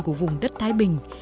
của vùng đất thái bình